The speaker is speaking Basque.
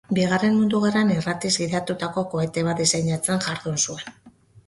Bigarren Mundu Gerran irratiz gidatutako kohete bat diseinatzen jardun zuen.